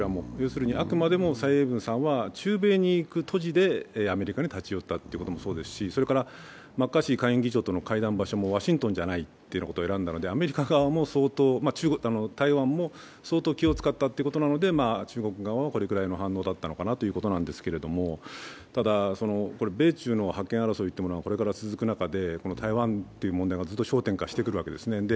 あくまでも蔡英文さんは中米に行く途中でアメリカに立ち寄ったということもそうですしそれからマッカーシー下院議長との会談場所もワシントンじゃないということを選んだので、アメリカ側も相当、台湾も相当気を遣ったということなので、中国側はこれくらいの反応だったのかなということなんですけどただ米中の覇権争いがこれから続く中で、台湾という問題がずっと焦点化してくるわけですね。